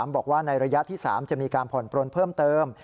บอกว่าในระยะที่๓จะมีการผ่อนปลนเพิ่มเติม